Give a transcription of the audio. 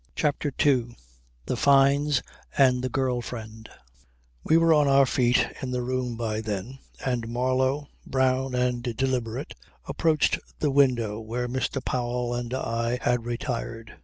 CHAPTER TWO THE FYNES AND THE GIRL FRIEND We were on our feet in the room by then, and Marlow, brown and deliberate, approached the window where Mr. Powell and I had retired.